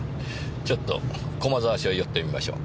ちょっと駒沢署へ寄ってみましょう。